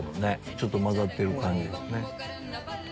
ちょっと混ざってる感じですね。